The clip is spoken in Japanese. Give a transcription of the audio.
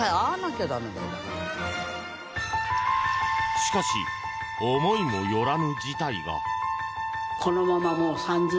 しかし、思いもよらぬ事態が。